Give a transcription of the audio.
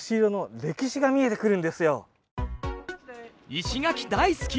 石垣大好き！